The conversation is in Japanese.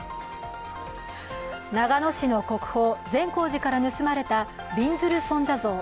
長野市の国宝・善光寺から盗まれたびんずる尊者像。